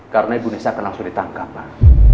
karena ibu nisa akan langsung ditangkap pak